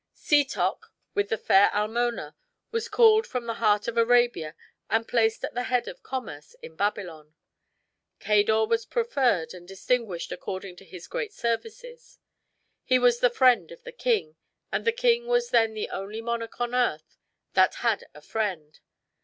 Setoc, with the fair Almona, was called from the heart of Arabia and placed at the head of the commerce of Babylon. Cador was preferred and distinguished according to his great services. He was the friend of the king; and the king was then the only monarch on earth that had a friend.